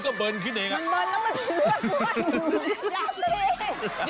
มันบนแล้วมันมันหลืกเลย